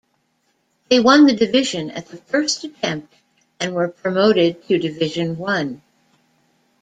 They won the division at the first attempt, and were promoted to Division One.